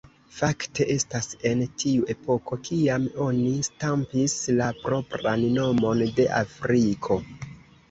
Fakte estas en tiu epoko kiam oni stampis la propran nomon de Afriko.